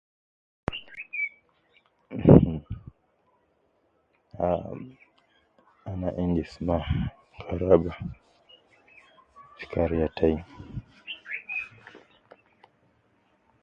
Ah ana endis ma kaharaba fi kariya tai